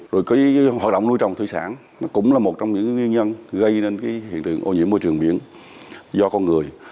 rồi cái hoạt động nuôi trồng thủy sản nó cũng là một trong những nguyên nhân gây nên cái hiện tượng ô nhiễm môi trường biển do con người